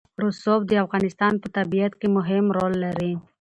رسوب د افغانستان په طبیعت کې مهم رول لري.